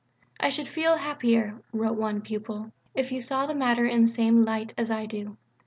"I should feel happier," wrote one pupil, "if you saw the matter in the same light as I do."